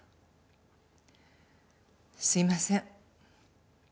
すいません。